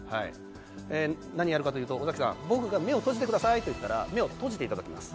何をやるかというと、僕が目を閉じてくださいと言ったら目を閉じていただきます。